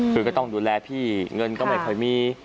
คือก็ต้องดูแลพี่เงินก็ไม่ค่อยมี